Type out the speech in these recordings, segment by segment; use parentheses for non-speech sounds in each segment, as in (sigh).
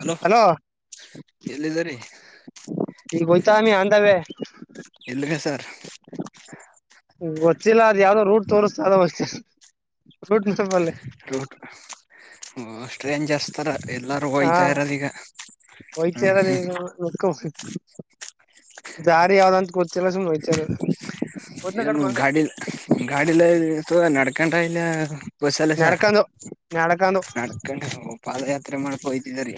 Hello, hello ಯಲ್ಲಿ ಅದಿರಿ. ಈ (inaudible) ಸ್ವಾಮಿ, ಆನ್ ದ ವೇ. ಎಲ್ಲಿಗ ಸರ್ ಗೊತ್ತಿಲ್ಲ ಯಾವ್ದೋ ರೂಟ್ ತೋರಿಸ್ತ ಅಷ್ಟೇ ರೂಟ್ ಸ್ಟ್ರೇಂಜರ್ಸ್ ತರ. ಎಲ್ಲಾರು ಹಾ ಹೋಯ್ತಾ ಇರೋದ ಈಗ ಒಯ್ತಾ ಹ್ಮ್ ಇದಾರೆ ಈಗ. ದಾರಿ ಯಾವ್ದಂತ ಗೋತಿಲ್ಲ ಸುಮ್ನೆ ಹೊಯ್ತಾಯಿರದೆ. ಏನು ಗಾಡಿ ಗಾಡಿಯಲ್ಲಿ. ಅದು ನಡಕೊಂಡು. ಇಲ್ಲ ಬಸ್ಸ ಅಲ್ಲ ಸಾರ್ ನಡ್ಕೊಂಡು ನಡ್ಕೊಂಡು ನಡ್ಕೊಂಡು ಪಾದಯಾತ್ರ ಮಾಡಿಕೊಂಡು ಹೋಯ್ತಾ - ಇದರಿ.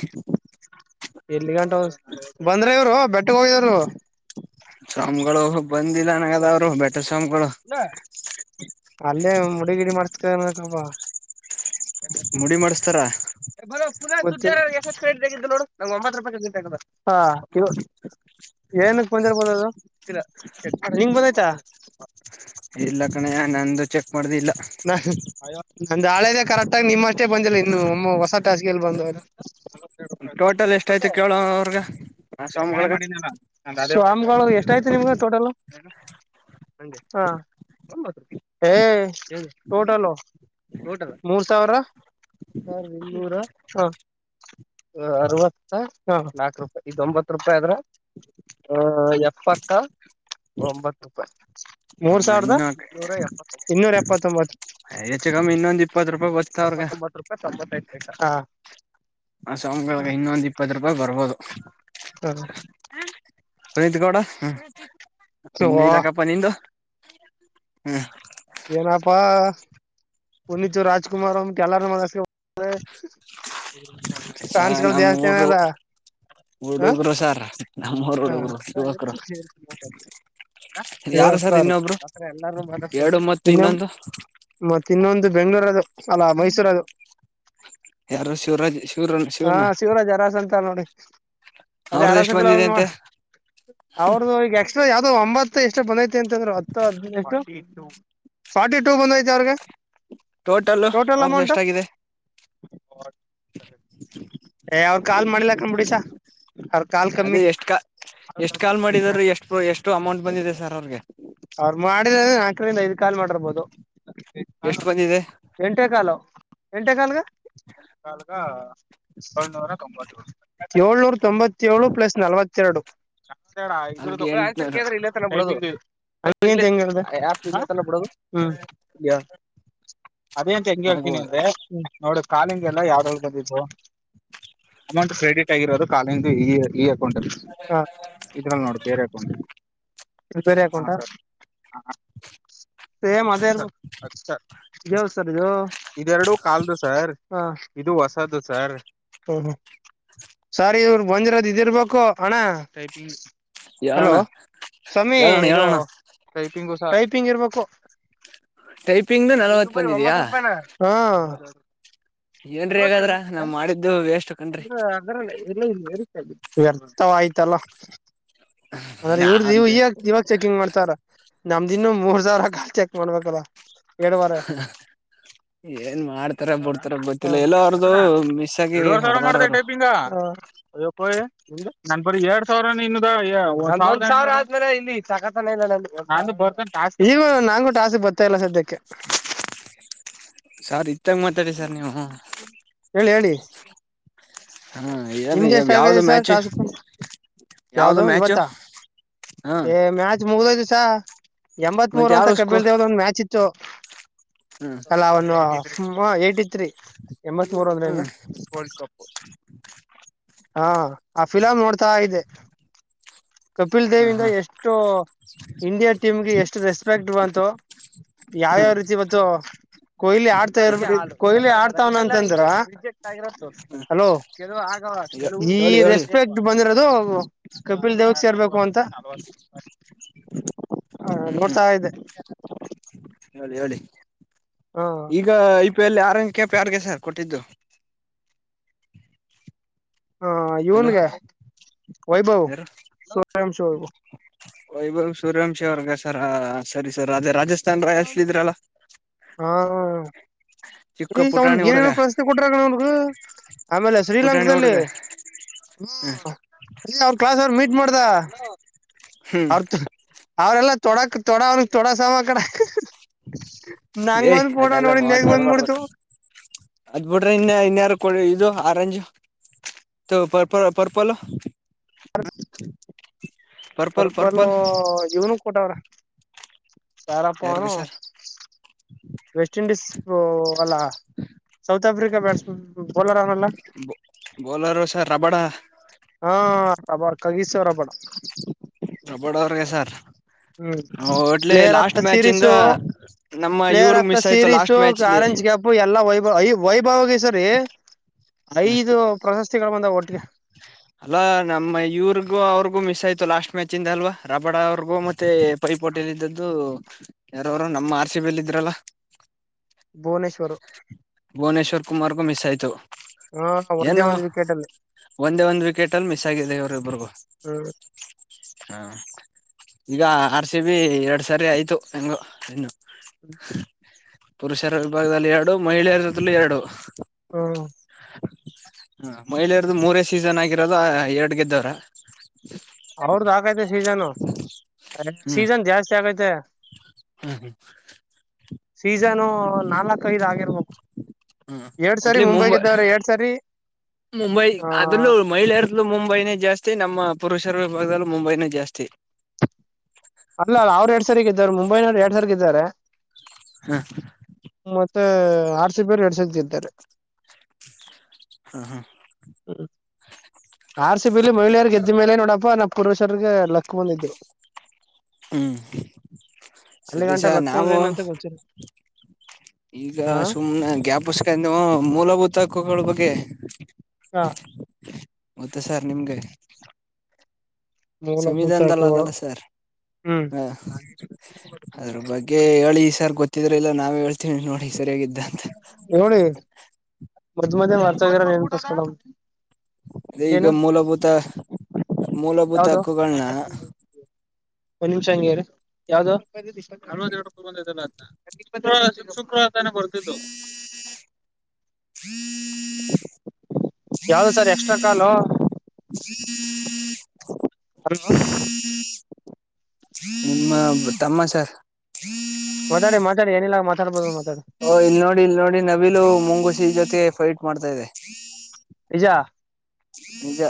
ಎಲ್ಲಿ ಗಂಟ ಬಂದ್ರ ಇವ್ರು ಬೆಟ್ಟಗ ಹೋಗಿದವರು. ನಮಗಳು- ಬಂದಿಲ್ಲ ನನಗದ ಅವರು ಬೆಟ್ಟ ಸ್ವಾಮಿಗಳು. ಇಲ್ಲ ಅಲ್ಲೇ ಮುಡಿಗಿಡಿ ಮಾಡಸ್ ಅಂತಿಂದ್ರ ಪಾ. ಮುಡಿ ಮಾಡಸ್ತಾರೆ. ನ ಒತ್ತು ರೂಪಾಯ ಹ ಇ ಏನಕ್ ಬಂದಿರಬೋದ ನಿಂಗ ಬಂದೈತ. ಇಲ್ಲ ಕಣೆ ನಂದು ಚೆಕ್ ಮಾಡ್ದಿಲ್ಲ ನಾ ಅಯೋ ನಂದು ಹಳೆದೇ ಕರೆಕ್ಟ್ ಆಗ ನಿಮ್ಮಷ್ಟೇ ಬಂದಿಲ್ಲ ಇನ್ನು ಒಮ್ಮ ಹೊಸ ಟಾಸ್ಕೆಲಿ ಬಂದವ. ಟೋಟಲ್ ಎಷ್ಟಯ್ತು ಕೇಳೋ ಅವ್ರಗ (unintelligible) ಆ ಸ್ವಾಮಿಗಳಿಗೆ ಸ್ವಾಮ್ ಗಳು ಎಷ್ಟಯ್ತು ನಿಮ್ಗೆ ಟೋಟಲು (unintelligible) ಹ ಹೇ ಟೋಟಲು ಟೋಟಲ್ ಮೂರ್ ಸಾವ್ರ ಇನ್ನೂರ ಹ (unintelligible) ಅರವತ್ತ ಹಾ ನಾಕ್ ರೂಪಾಯಿ ಇದೊಂಬತ್ತು ರೂಪಾಯಿ ಅದ್ರ ಹ ಎಪ್ಪತ್ತ ಒಂಬತ್ ರೂಪಾಯಿ. ಹ ಮೂರ್ ಸಾವ್ರದ ಇನ್ನು ಇನ್ನೂರ ಎಪ್ಪತ್ತೊಂಬತ್ತು. ಹೇ ಹೆಚ್ಚು ಕಮ್ಮಿ ಇನ್ನೊಂದ್ ಇಪ್ಪತ್ ರೂಪಾಯಿ ಬತ್ತತವ್ರಗೆ. ಹಾ ಆ ಸೌಂಡ್ ಗಳ್ಗೆ ಇನ್ನೊಂದ್ ಇಪ್ಪತ್ತು ರೂಪಾಯಿ ಬರ್ಬೋದು. (inaudible) ಹ್ಮ ಪುನೀತ್ ಗೌಡ ಹ್ಮ್ ಇನ್ನು ಓ ಇಲ್ಲಕ್ಕಪ್ಪ ನಿಂದು ಹ್ಮ ಏನಪ್ಪಾ ಪುನೀತ್ ರಾಜಕುಮಾರ ಅಂದ್ ಬಿಟ್ಟು ಎಲ್ಲಾರ್ನು ಮಾತಾಡ್ (unintelligible) ಸಾ ನಮ್ಮೂರು ಹ ಹುಡುಗರು ಸಾರ್ ನಮ್ಮೂರು ಹ ಹುಡುಗರು ಯುವಕರು (unintelligible) ಯಾರು ಸರ್ ಇನ್ನೊಬ್ರು ಎರಡು ಮತ್ತು ಇನ್ನೊ ಇನ್ನೊಂದು ಮತ್ ಇನ್ನೊಂದು ಬೆಂಗ್ಳೂರದು. ಅಲ್ಲಾ ಮೈಸೂರದು ಯಾರು ಶಿವರಾಜ್ ಶಿವರ ಹಾ ಶಿವನ. ಶಿವರಾಜ್ ಅರಸ್ (inaudible) ಅದೇ ಅವ್ರದ್ದು ಅರಸ ಎಷ್ಟು ಫಿಲಂ ಬಂದಿದೆ ಅಂತೆ. ನೋಡ್ ಅವ್ರದು ಈಗ ಎಕ್ಸ್ಟ್ರಾ ಯಾವ್ದೋ ಒಂಬತ್ತು ಎಷ್ಟೋ ಬಂದೈತ್ ತ್ತೆಅಂತಂದ್ರು ಹತ್ತೋ ಹದ್ನೆಂಟು ಫಾರ್ಟಿ ಫಾರ್ಟಿ ಟೂ ಬಂದೈತೆ ಅವ್ರ್ಗೆ ಟೋಟಲ್ಲು ಅವ್ರ್ದ್ ಎಷ್ಟಾಗಿದೆ? ಏ ಅವ್ರ ಕಾಲ್ ಮಾಡಿಲ್ಲ ಕಣ್ಬಿಡಿ ಸಾ ಅವ್ರ ಕಾಲ್ ಅದೇ ಕಮ್ಮಿ ಎಷ್ಟ್ ಕಾ ಎಷ್ಟ್ ಕಾಲ್ ಮಾಡಿದಾರು ಎಷ್ಟ್ ಎಷ್ಟು ಅಮೌಂಟ್ ಬಂದಿದೆ ಸರ್ ಅವ್ರ್ಗೆ? ಅವ್ರ್ ಮಾಡಿದ್ ಅದೇ ನಾಕ್ರಿಂದ್ ಐದ್ ಕಾಲ್ ಮಾಡಿರ್ಬೋದು, ಎಷ್ಟು ಬಂದಿದೆ ಎಂಟೇ ಕಾಲು. ಎಂಟೆ ಕಾಲ್ಗ, ಎಂಟ್ ಕಾಲ್ಗ, ಏಳ್ನೂರ (unintelligible) ಏಳ್ನೂರ್ ತೊಂಬತ್ತೇಳು ಪ್ಲಸ್ ನಲ್ವತ್ತೆರಡು. ಬ್ಯಾಕ್ ಸೈಡ್ ಆ ಇದ್ರುದು ಅಲ್ಲಿಗೆ (unintelligible) ಯಾಂಕರ್ ಎಂಟುನೂರು ಕೇಳದ್ರೆ ಇಲ್ಲೇ ತಾನ್ (unintelligible) ಬರೋದು. ಅಲ್ಲಂಗ (inaudible) (unintelligible) ಹ್ಯಾಪಬುಡದು ಹ ಹೇಳ ಅದೇ ಅಂತ ಹೆಂಗ ಹೇಳ್ತೀನಿ ಆಗ್ಬೋದು ಅಂದ್ರೆ ನೋಡು ಕಾಲಿಂಗ್ ಎಲ್ಲ ಯಾವ್ದರಲಿಬಂದಿದ್ದು. ಅಮೌಂಟ್ ಕ್ರೆಡಿಟ್ ಆಗಿರೋದು. ಕಾಲಿಂದೆ ಇ ಈ ಈ (unintelligible) ಅಕೌಂಟು ಇದ್ರಲ್ ನೋಡ್ ಬೇರೆ ಅಕೌಂಟ ಬೇರೆ ಅಕೌಂಟಾ. ಸೇಮ್ ಅದೇ ಅಲ್ವ ಸರ್, ಇದೇನ್ ಸರ್ ಇದೆರಡು ಕಾಲ್ದು ಸರ್ ಇದು ಹೊಸದು ಸರ್, ಸರ್ ಇವರ್ಗ್ಗ್ ಬಂದಿರೋದು ಇದಿರ್ಬೇಕು ಅಣ ಟೈಪಂಗ್ಸ್. ಹೇಳಣ್ಣ ಹೇಳಣ್ ಹೇಳಣ, ಟೈಪಿಂಗು ಸಹಟೈಪಿಂಗ್ ಇರ್ಬೇಕು. ಟೈಪಿಂಗ್ ನಲ್ವತ್ ಬರಿ ಬಂದಿದ್ಯಾ ಒಂಬತ್ತು ರೂಪಾಯ್ನ ಹ (unintelligible) ಏನ್ರೀ ಹೀಗಾದ್ರ ನಾವ್ ಮಾಡಿದ್ದು ವೇಷ್ಟು ಕಣ್ರಿ (inaudible) ವ್ಯರ್ಥವಾಯ್ತಲ್ಲ. ಅಂದ್ರೆ ನಾ ಇವ್ರ್ದು ಈವ ಅಂತೆ ಈವಾಗ ಚೆಕಿಂಗ್ ಮಾಡ್ತಾವ್ರ ನಮ್ದ್ ಇನ್ನು ಮೂರ್ ಸಾವಿರ ಕಾಲ್ ಚೆಕ್ ಮಾಡ್ಬೇಕಲ್ಲ ಎರಡುವರೆ ಏನ್ ಮಾಡ್ತಾರ ಬಿಡ್ತಾರೊ ಹ ಗೊತ್ತಿಲ್ಲ ಎಲ್ಲೋ ಅವ್ರದುಮಿಸ್ ಆಗಿ ಹೊಡದಾರ ಅವರು. ಅಯ್ಯಪ್ಪ ಯ ನನ್ ಬರಿ ಎರಡ್ ಸಾವಿರನೇ ಇನ್ನದೆ ಎರಡ್ಸಾವ್ರ ಆದ್ಮೇಲೆ ಇನ್ನು ಇಲ್ಲಿ ತಕತನೇ ಇಲ್ಲ ನಂದು (unintelligible) ಈಗ ನಂಗೂ ಟಾಸ್ಕ್ ಬರ್ತಾ ಇಲ್ಲ ಸದ್ಯಕ್ಕೆ. ಸರ್ ಇತ್ತಾಗ ಮಾತಾಡಿ ಸರ್ ನೀವು ಹಾ ಹೇಳಿ ಹೇಳಿ ಏನ್ ನಿಮ್ದ ಎಷ್ಟ್ ಯಾವ್ದು ಆಗದೆ ಮ್ಯಾಚ್ ಸರಟಾಸ್ಕು ಯಾವ್ದು ಇವತ್ತ ಹಾ ಏ ಮ್ಯಾಚ್ ಮುಗ್ದೋಯ್ತು ಸಾ ಮತ್ತೆ ಎಂಬತ್ಮೂರು ಅಂತ ಯಾವ್ದ ಸ್ಕೂ ಕಪಿಲ್ ದೇವ್ದ ಒಂದ್ ಮ್ಯಾಚ್ ಇತ್ತು. ಹ್ಮ್ ಅಲ್ಲ ಅವ್ನು ಟಿ (inaudible) ತ್ರಿ ಎಂಬತ್ ಮೂರ್ ಅಂದ್ರೆ ಏನು, ಹ್ಮ್ ವರ್ಲ್ಡ್ ಕಪ್ಪು ಹಾ ಫಿಲಾಮನೊಡ್ತಾ ಇದೆ. ಕಪಿಲ್ ದೇವ ಇಂದ ಹ ಎಷ್ಟು ಇಂಡಿಯಾ ಟೀಮ್ಗೆ ಎಷ್ಟು ರೆಸ್ಪೆಕ್ಟ್ ಬ ತೋ (inaudible) ಹಾ ಯಾವ್ಯಾವ ರೀತಿ ಇವತ್ತು (unintelligible) ಕೊಹ್ಲಿ ಆಡ್ತಾ ಇರ್ ಕೊಹ್ಲಿ ಆಡ್ತಾವನ ಅಂತಂದ್ರ ಹಲೋ (unintelligible) (unintelligible) (inaudible) ಈ ಹೇಳಿ ಹೇಳಿ ರೆಸ್ಪೆಕ್ಟ್ ಬಂದಿರದು ಕಪಿಲ್ ದೇವಕ್ ಸೇರ್ಬೇಕು ಅಂತಹ ಹ್ಮ್ ಹ್ಮ್ ನೋಡ್ತಾ ಇದೆ ಹೇಳಿ ಹೇಳಿ (inaudible) ಈಗ ಉಪ್ಪಲ್ಲಿ ಆರಂಗ ಪ್ಯಾರ್ ಯಡ್ಗೆ ಸರ್ ಕೊಟ್ಟಿದ್ದು (unintelligible) ಹಾ ಹಲೋ ಇವನ್ಗೆ ವೈಭವ ಯಾರು ಸೂರ್ಯವಂಶಿ ವೈಭವ್ ಸೂರ್ಯಾಂಶಿ ಅವರ್ಗ ಸರ್ ಸರಿ ಸರ್ ಅದೇ ರಾಜಸ್ ರಾಜಸ್ಥಾನ್ ರಾಯಲ್ಸ್ ಅಲ್ಲಿ ಇದ್ರಲ್ಲ ಹಾ ಹಾ ಚಿಕ್ಕ ಪುಟಾಣಿ ಅವ್ನ್ಗ ಹುಡುಗ ಏನೋ ಪ್ರಶಸ್ತಿ ಕೊಟ್ರಣ ಅವಗ ಆಮೇಲೆ ಪುಟಾಣಿ ಶ್ರೀಲಂಕಲ್ಲಿ ಹುಡುಗ ಹ್ಮ ಅವರ ಕ್ಲಾಸ್ ಅವ್ರು ಮೀಟ್ ಮಾಡ್ದ ಹ್ಮ್ ಅರ್ಥ ಅವ್ರೆಲ್ಲ ತೊಡಾಕ್ ತೊಡ ಅವ್ರ ತೊಡಸ ಕಡ ಏಯ ಅದೆಲ್ಲ ನೆಗ್ ಮಾತಾಡ್ಬಾರ್ದ ಬಂದ್ಬಿಡ್ತು ಅದ್ ಬಿಟ್ರೆ ಇನ್ ಇನ್ಯಾರು ಇದು orange purple purple purple purple purple ಇವನು ಕೊಟ ಅವ್ರ ಯಾರಪ್ಪ ಅವನು ಯಾರ್ಗೆ ಸರ್ ವೆಸ್ಟ್ ಇಂಡೀಸ್ ಅಲ್ಲ ಸೌತ್ ಆಫ್ರಿಕಾ ಬ್ಯಾಟ್ಸ್ ಬೌಲರ್ ಅವನಲ್ಲ ಬೌಲರು ಸರ್ ರಬಡ ಹಾ ರಾಬಡ್ (unintelligible) ರಬ್ಬಡ ರಾಬಡ್ ಅವ್ರಗೆ ಸರ್ ಹ್ಮ್ ಒಟ್ಲಿ player of last the match ಇಂದ ಸೀರೀಸು ನಮ್ಮ ಪ್ಲೇಯರ್ ಇವ್ರಗ್ ಆಫ್ ದ ಮಿಸ್ ಆಯ್ತು ಲಾಸ್ಟ್ ಸೀರೀಸು ಮ್ಯಾಚ್ಲಿ ಆರೆಂಜ್ ಕ್ಯಾಪ್ ಎಲ್ಲಾ ವೈಭ ವೈಭವ ಸರ್ (unintelligible) ಹ್ಮ ಅಲ್ಲ ನಮ್ಮ ಇವ್ರಿಗೂ ಅವ್ರಿಗೂ ಮಿಸ್ ಆಯ್ತು ಲಾಸ್ಟ್ ಮ್ಯಾಚ್ಂದ ಅಲ್ವಾ ರಾಬಡ ಅವ್ರಗೂ ಮತ್ತೆ ಪೈಪೋಟಿಲ್ಲಿ ಇದ್ದದ್ದು ಯಾರವರು ನಮ್ಮ ಆರ್ಸಿಬಿಲ್ ಇದ್ರಲ್ಲ ಭುವನೇಶ್ವರು ಭುವನೇಶ್ವರ್ ಕುಮಾರ್ಗೂ ಮಿಸ್ ಆಯ್ತು ಹಾ ಒಂದೇ ಏನು ಒಂದ್ ವಿಕೆಟ್ ಅಲ್ಲಿ ಒಂದೇ ಒಂದ್ ವಿಕೆಟ್ ಅಲ್ಲಿ ಮಿಸ್ ಆಗಿದೆ ಇವರು ಇಬ್ರುಗೂ ಹ್ಮ್ ಹಾ ಈಗ ಆರ್ ಸಿ ಬಿ ಎರಡ್ ಸಾರಿ ಆಯ್ತು ಹೆಂಗು ಇನ್ನು (unintelligible) ಪುರುಷರ ವಿಭಾಗದಲ್ಲಿ ಎರಡು, ಮಹಿಳೆಯರ ಜೊತೆಲು ಎರಡು. ಹ್ಮ್. ಹ ಮಹಿಳೆಯರದು ಮೂರೇ ಸೀಸನ್ ಆಗಿರೋದು ಎರಡ್ ಗೆದ್ದವರೇ. ಅವ್ರದ್ದು ಆಗೈತೆ ಸೀಸನ್ ಏನು ಸೀಸನ್ ಜಾಸ್ತಿ ಆಗೈತೆ. ಹ್ಮ ಹ್ಮ್ ಸೀಸನು ನಾಲ್ಕೈದು ಆಗಿರಬೇಕು. ಹ್ಮ ಒಟ್ಲಿ ಮುಂಬೈ ಗೆದ್ದವ್ರೆ ಎರಡ್ ಸಾರಿ ಮುಂಬೈ ಆ ಅದ್ರಲ್ಲೂ ಮಹಿಳೆಯರಲ್ಲೂ ಮುಂಬೈನೇ ಜಾಸ್ತಿ ಜಾಸ್ತಿ ನಮ್ಮ ಪುರುಷರ ವಿಭಾಗದಲ್ಲೂ ಮುಂಬೈನೇ ಜಾಸ್ತಿ. ಮುಂಬೈ ನವರು ಎರಡು ಸರಿ ಗೆದ್ದರೆ ಹಾ. ಮತ್ತ ಆರ್‌ಸಿಬಿ ಯವರು ಎರಡು ಸಾರಿ ಗೆದ್ದವರೇ. ಹಾ ಹಾ ಆರ್ಸಿಬಿಲಿ ಮಹಿಳೆಯರ ಗೆದ್ದ ಮೇಲೆ ನೋಡಪ್ಪಾ ನಮ್ ಪುರುಷರಿಗೆ ಲಕ್ಕು ಬಂದಿದ್ರು ಹ್ಮ್ ಅಲ್ಲಿ ಸರಿ ಗಂಟ ಸರ್, ಲಕ್ಕು ಅಂದ್ರೆ ನಾವು ಏನಂತ ಗೊತ್ತಿಲ್ಲ ಈಗಾ ಹಾ ಸುಮ್ನೆ ಗ್ಯಪಸ್ಕೊಂಡು ಮೂಲಭೂತ್ ತಕ್ಕುಗಳ ಬಗ್ಗೆ ಹಾ ಮತ್ತೆ ಸರ್ ನಿಮ್ಗೆ. ಮೂಲಭೂತ ಸಂವಿಧಾನದಲ್ಲ ಹಕ್ಕುಗಳು ಅದಲ್ಲ ಸರ್ ಹ್ಮ್ ಹ ಅದ್ರ ಬಗ್ಗೆ ಹೇಳಿ ಸರ್ ಗೊತ್ತಿದ್ರ ಇಲ್ಲ ನಾವೇ ಹೇಳ್ತಿವಿ ನೋಡಿ. ಸರಿಯಾಗಿದ್ದಂತ ನೋಡಿ ಮದ್ ಮಧ್ಯ ಮರ್ತೋಗಿರೋದ್ ನೆನಪುಸ್ಕುಳವು ಅದೇ, ಈಗ ಮೂಲಭೂತ ಮೂಲಭೂತ ಯಾವ್ದು ಹಕ್ಕುಗಳನಾ ಒಂದ್ ನಿಮಿಷ ಹಂಗೆ ಇರಿ, (inaudible) ತಾನೆ ಬರ್ತಿದ್ದು ಯಾವ್ದ ಸರ್ ಎಕ್ಸ್ಟ್ರಾ ಕಾಲು (inaudible) ಹಲೋ ನಿಮ್ಮ ತಮ್ಮಾ ಸಾರ್ ಮಾತಾಡಿ ಮಾತಾಡಿ ಏನಿಲ್ಲ ಮಾತಾಡಬಹುದು ಅವ್ನ. ಓ ಇಲ್ ನೋಡಿ ಇಲ್ ನೋಡಿ ನವಿಲು ಮುಂಗುಸಿ ಜೊತೆ ಫೈಟ್ ಮಾಡ್ತಾ ಇದೆ. ಯಾ ನಿಜ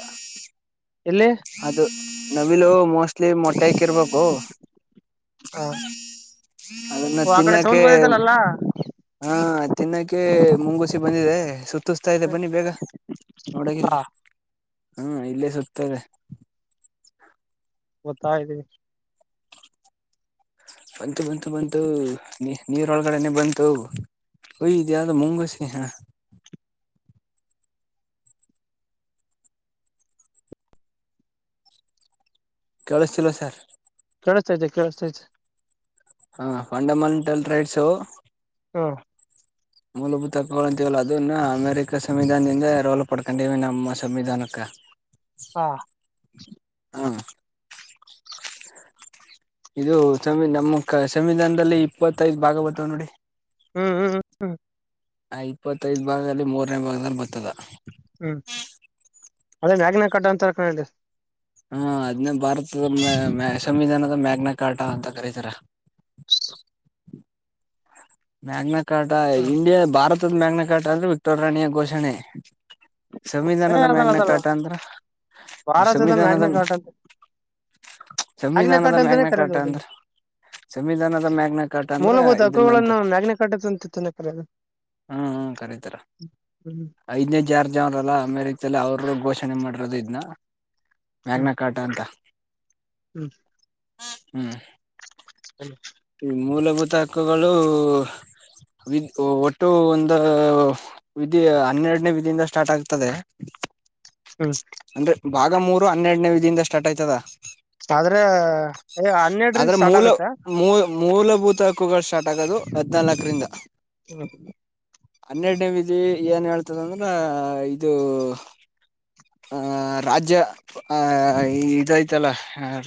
ಎಲ್ಲಿ ಅದು ನವೀಲೂ ಮೊಸ್ಲಿ ಮೊಟ್ಟೆ ಇಕ್ಕಿರಬೇಕು. ಆ ಅದನ್ನ ಓ ಆಕಡೆ ಸೌಂಡು ಬಂದೈತ ಅಲ್ಲಾ. ಆ ತಿನ್ನಕ್ಕೆ ಮುಂಗುಸಿ ಬಂದಿದೆ ಸುತ್. ತುಸ್ತಾ ಇದೆ ಬನ್ನಿ ಬೇಗಾ ನೋಡಗಿದ್ರ ಹಾ ಹ್ಮ ಇಲ್ಲೇ ಸುತ್ತಾಯಿದೆ. ಬತ್ತಾ ಇದೀನಿ. ಬಂತು ಬಂತು ಬಂತು ನೀ ನೀರೊಳಗಡೆನೆ ಬಂತು ಓಯ್ ಇದ್ಯಾವುದೋ ಮುಂಗುಸಿ ಹ. ಕೇಳಸ್ತಿಲ್ವಾ ಸಾರ್. ಕೆಳಸ್ತೈತೆ ಕೆಳಸ್ತೈತೆ. ಹಾ ಫಂಡಮಂಟಲ್ ರೈಟ್ಸು. ಹ್ಮಂ ಮೂಲಭೂತ ಹಕ್ಕುಗಳು ಅಂತಿವಲ ಅದುನ್ನ ಅಮೇರಿಕ ಸಂವಿಧಾನದಿಂದ ರೋಲ್ ಪಡಕಂಡಿವೆ ನಮ್ಮ ಸಂವಿಧಾನಕ್ಕ. ಹಾ ಹಾ ಇದು ಸಂವಿ, ನಮ್ಮ ಕ ಸಂವಿಧಾನದಲ್ಲಿ ಇಪ್ಪತ್ತೈದ್ ಭಾಗ ಬತ್ತವ್ ನೋಡಿ. ಹ್ಮ್ ಹ್ಮ್ ಹ್ಮ್. ಆ ಇಪ್ಪತ್ತೈದ್ ಭಾಗದಲ್ಲಿ ಮೂರನೇ ಭಾಗದಲ್ಲಿ ಬತ್ತದ. ಹ್ಮ್ ಅದೇ ಮ್ಯಾಗಿನ ಕಟ್ಟಾ ಅಂತ ಆಕಂಡ ಇದೆ. ಹೂಂ ಅದ್ನ ಭಾರತದ ಸಮ್ಯ ಸಂವಿಧಾನದ ಮ್ಯಾಗ್ನ ಕಾಟಾ ಅಂತ ಕರೀತಾರ. ಮ್ಯಾಗಮ್ಯತ್ (unintelligible) ಕಾಟಾ ಹ ಇಂಡಿಯಾ ಭಾರತ್ ವಿತ್ತದ ಮ್ಯಾಗ್ನ ಕಾಟ ಅಂದ್ರೆ ವಿಕ್ಟೋರ್ ರಾಣಿಯ ಘೋಷಣೆ. ಏ ಸಂವಿಧಾನದ ಅದಲ್ಲ ಮ್ಯಾಗ್ನ ಅದಲ್ಲ ಕಾಟ ಅಂದ್ರ? ಭಾರತದ ಸಂವಿಧಾನದ ಮ್ಯಾಗ್ನ ಕಟ್ಟ ಅಂತ (unintelligible) ಸಂವಿಧಾನದ ಮ್ಯಾಗ್ನೆಕಾಟ್ ಅಂತಾನೇ ಮ್ಯಾಗ್ನ ಕರೆಯೋದು ಕಾಟಾ ಅದನ್ನ ಅಂದ್ರಾ? ಸಂವಿಧಾನದ ಮ್ಯಾಗ್ನ ಕಾಟ ಅಂದ್ರ ಇದನ್ನ ಅಂತಾರ. ಕಾಟ ಅಂತಾನೇ (unintelligible) ಕರೆಯದು. ಹ್ಮ ಹ್ಮ್ ಕರೀತರಾ. ಹ್ಮ್ ಐದನೆದ್ ಜಾರ್ಜ್ ಅವ್ರಲ್ಲಾ ಅಮೆರಿಕ್ದಲ್ಲಿ, ಅವ್ರು ಘೋಷಣೆ ಮಾಡಿರೋದು ಇದ್ನ. ಹ್ಮ್ ಮ್ಯಾಗ್ನ ಕಾಟ ಅಂತಾ. ಹ್ಮ್ (unintelligible) ಹ್ಮ್, ಇಲ್ ಹ್ಮ್ (unintelligible) ಮೂಲಭೂತ್ ಇಂತಾ ಹಕ್ಕುಗಳು, ವಿದ್ ಒಟ್ ಒಟ್ಟು ಒಂದು, ವಿಧಿ ಹನ್ನೆರಡನೇ ವಿಧಿಯಿಂದ ಸ್ಟಾರ್ಟ್ ಆಗ್ತದೆ. ಹ್ಮ್ ಅಂದ್ರೆ ಭಾಗ ಮೂರು ಹನ್ನೆರಡನೇ ವಿಧಿಯಿಂದ ಸ್ಟಾಟ್ ಆಯ್ತದ? ಆದ್ರಾ (unintelligible) ಏ ಹನ್ನೆರಡರಿಂದ ಆದ್ರೆ ಸ್ಟಾರ್ಟ್ ಮೂಲ ಆಗತ್ತಾ. ಮೂ ಮೂಲಭೂತ ಹಕ್ಕುಗಳು ಸ್ಟಾರ್ಟ್ ಆಗೋದು ಹದಿನಾಲ್ಕರಿಂದ. ಹ್ಮ ಹನ್ನೆರಡನೇ ವಿಧಿ ಏನ್ ಹೇಳ್ತದಂದ್ರ, ಇದು ಹಾ ರಾಜ್ಯ ಹಾ ಇದೈತಲ್ಲಾ,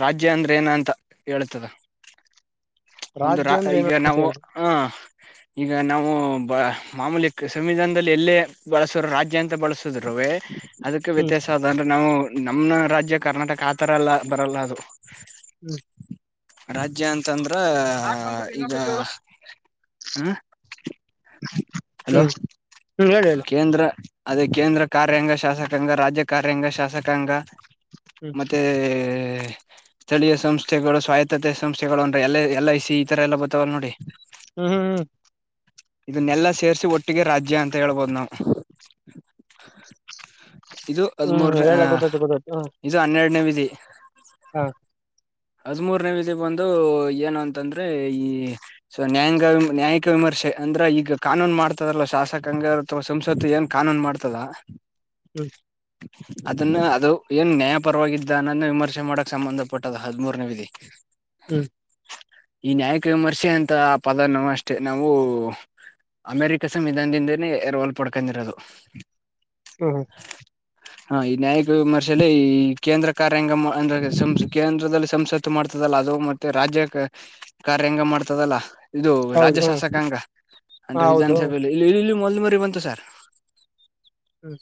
ರಾಜ್ಯ ಅಂದ್ರ ಏನ ಅಂತ ಹೇಳ್ತದ. (unintelligible) ಒಂದು ರಾ, ರಾಜ್ಯ ಅಂದ್ರೆ ಏನು ಈಗಾ ಅಂತ ನಾವು ಹೇಳ್ರಿ ಅ ಈಗ ನಾವು ಬ ಮಾಮೂಲಿ ಸಂವಿಧಾನದಲ್ಲಿ ಎಲ್ಲೇ ಬಳಸೋರು ರಾಜ್ಯ ಅಂತ ಬಳಸ್ (unintelligible) ಅದಕ್ಕೆ ಹ್ಮ್ ವ್ಯತ್ಯಾಸ ಅದ್ ಅಂದ್ರೆ ನಾವು ನಮ್ಮ ರಾಜ್ಯ ಕರ್ನಾಟಕ, ಆತರ ಎಲ್ಲ ಬರಲ್ಲ ಅದು. ಹ್ಮ್ ರಾಜ್ಯ ಅಂತಂದ್ರ ಅಂದ್ರೇ ಬಂದ್ಬಿಟ್ಟು ಈಗ ಇನ್ನೊಂದ್ಸತಿ ಹೇಳು ಹ್ಞಾಂ ಹಲೋ, ಹ್ಮ್ ಹ್ಮ್ ಹೇಳಿ ಹೇಳಿ ಕೇಂದ್ರ ಅದೇ ಕೇಂದ್ರ ಕಾರ್ಯಾಂಗ, ಶಾಸಕಾಂಗ, ರಾಜ್ಯ ಕಾರ್ಯಾಂಗ, ಶಾಸಕಾಂಗ ಹ್ಮ್ ಮತ್ತೇ ಸ್ಥಳೀಯ ಸಂಸ್ಥೆಗಳು, ಸ್ವಾಯತ್ತತೆ ಸಂಸ್ಥೆಗಳು ಅಂದ್ರ, ಎಲ್ ಎಲ್ ಐ ಸಿ ಈ ತರ ಎಲ್ಲಾ ಬರ್ತಾವಲ್ಲ ನೋಡಿ ಹ್ಮ್ ಹ್ಮ್ ಹ್ಮ್ ಇದನ್ನೆಲ್ಲ ಸೇ ಸೇರಿಸಿ ಒಟ್ಟಿಗೆ ರಾಜ್ಯ ಅಂತ ಹೇಳ್ಬೋದು ನಾವು ಇದು ಹ್ಮ್ ಹ್ಮ್ ಹದಮ್ಮೂರ ಅ ಹೇಳ ಗೊತ್ತಾಯ್ತು ಗೊತ್ತಾಯ್ತು ಹ್ಮ್ ಇದು ಹನ್ನೆರಡನೇ ವಿ ದೇ ಹಾ ಹದ್ಮೂರನೇ ವಿಧಿ ಬಂದು ಏನು ಅಂತಂದ್ರೆ ಈ ಸ ನ್ಯಾಯಾಂಗ ನ್ಯಾಯಾಂಗ ವಿಮರ್ಶೆ ಅಂದ್ರ ಈಗ ಕಾನೂನ್ ಮಾಡ್ತದಲ್ಲ ಶಾಸಕಾಂಗ ಅಥವಾ ಸಂಸತ್ತು ಏನ್ ಕಾನೂನ್ ಮಾಡ್ತದ ಹ್ಮ್ ಅದನ್ನ ಅದು ಏನ್ ನ್ಯಾಯ ಪರವಾಗಿದ್ದ ಇದ್ದ ಅಂತ ವಿಮರ್ಶೆ ಮಾಡಕ್ ಸಂಬಂಧ ಪಟ್ಟದ ಹದಮೂರನೇ ವಿಧಿ ಹೂ ಈ ನ್ಯಾಯಕ ವಿಮರ್ಶೆ ಅಂತ ಪದ ನಾವು ಅಷ್ಟೇ ನಾವು ಅಮೇರಿಕ ಸಂವಿಧಾನದಿಂದ ಎರವಲು ಪಡೆದ ಕೊಂಡಿರೋದ ಹೂ ಹು ಹಾ ಈ ನ್ಯಾಯಕ ವಿಮರ್ಶಲ್ಲಿ ಈ ಕೇಂದ್ರ ಕಾರಂಗಮ ಅಂದ ರಸ್ಕಿಮ ಕೇಂದ್ರ ಸಂಸತ್ತು ಮಾಡ್ತದಲ್ಲ ಅದು ಮತ್ತ ರಾಜ್ಯ ಕಾರ್ಯಾಂಗ ಮಾಡ್ತದಲ್ಲ ಇದು ರಾಜ್ಯ ಹೌದು ಹ್ಮ್ ಶಾಸಕಾಂಗ ಯಾಂಡ ವಿಧಾನ ಹೌದು ಸಭೆಯಲ್ಲಿ ಇಲ್ಲಿ ಇಲ್ಲಿ ಮೊ ಕುರಿಮರಿ ಬಂತು ಸರ್ ಹ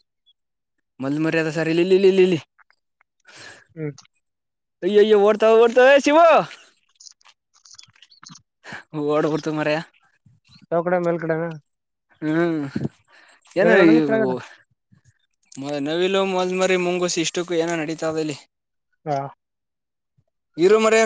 ಮಂದ ಮರ್ಯಾದ ಸರಿ ಇಲ್ಲಿ ಇಲ್ಲಿ ಇಲ್ಲಿ ಇಲ್ಲಿ ಇಲ್ಲಿ ಹೂ ಅಯ ಅಯ್ಯ ಓಡ್ತಾವ್ ಓಡ್ತಾವ್ವ ಶಿವು ಡೀ ಓಡ್ಬಿಡ್ತು ಮಾರಾಯ ಕಡಗ ಹೂ ಏನ ಇವು ಕೆಳಗಡೆ ಮ ನವಿಲು ಮೊಲದ್ ಮರಿ ಮುಂಗಸಿ ಇಷ್ಟಕ್ಕೂ ಏನೋ ನಡೀತವ ಇಲ್ಲಿ ಹಾ ಇರು ಮಾರಾಯ